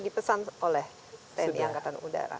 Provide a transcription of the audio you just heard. di pesan oleh tni angkatan udara